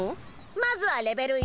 まずはレベル１。